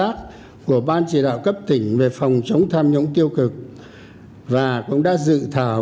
bộ chính trị đã giao cho ban chỉ đạo cấp tỉnh về phòng chống tham nhũng tiêu cực và cũng đã dự thảo